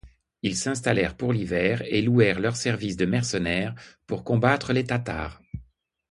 Ils s'installèrent pour l'hiver et louèrent leurs services de mercenaires pour combattre les Tatars.